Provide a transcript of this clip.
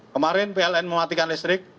kemarin pln mematikan listrik